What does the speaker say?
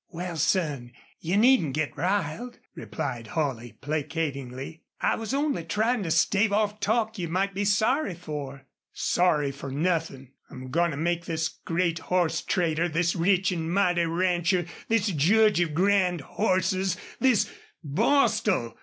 "Wal, son, you needn't git riled," replied Holley, placatingly. "I was only tryin' to stave off talk you might be sorry for." "Sorry for nothin'! I'm goin' to make this great horse trader, this rich an' mighty rancher, this judge of grand horses, this BOSTIL!